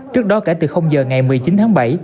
trước đó kể từ giờ ngày một mươi chín tháng bảy